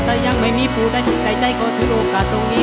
ถ้ายังไม่มีผู้ใดใจก็ถือโอกาสตรงนี้